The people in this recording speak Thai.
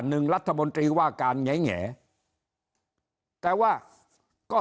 หนึ่งรัฐมนตรีว่าการแง่แต่ว่าก็